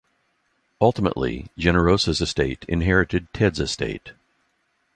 Ultimately, Generosa's estate inherited Ted's estate.